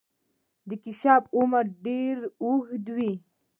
د کیشپ عمر ډیر اوږد وي